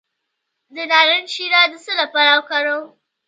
د نارنج شیره د څه لپاره وکاروم؟